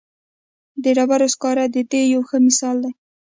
د ډبرو سکاره د دې یو ښه مثال دی.